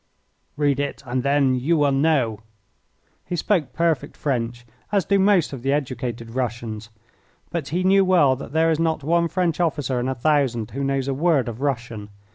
"Read it and then you will know." He spoke perfect French, as do most of the educated Russians. But he knew well that there is not one French officer in a thousand who knows a word of Russian.